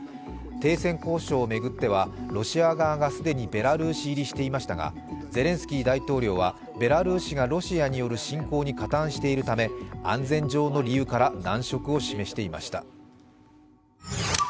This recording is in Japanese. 停戦交渉を巡ってはロシア側が既にベラルーシ入りしていましたがゼレンスキー大統領はベラルーシがロシアによる侵攻に加担しているため安全上の理由から難色を示していました。